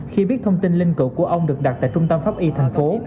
khi biết thông tin linh cựu của ông được đặt tại trung tâm pháp y thành phố